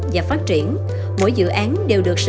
và phát triển mỗi dự án đều được